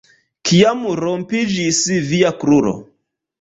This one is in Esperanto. Kiam rompiĝis via kruro?